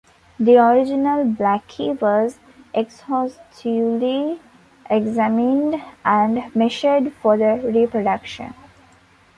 The original Blackie was exhaustively examined and measured for the reproduction.